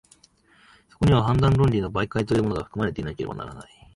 そこには判断論理の媒介というものが、含まれていなければならない。